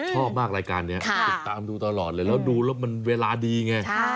ชอบมากรายการนี้ติดตามดูตลอดเลยแล้วดูแล้วมันเวลาดีไง